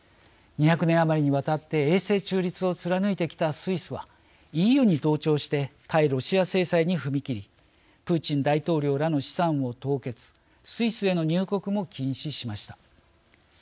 ２００年余りにわたって永世中立を貫いてきたスイスはＥＵに同調して対ロシア制裁に踏み切りプーチン大統領らの資産を凍結スイスへの入国も禁止しました。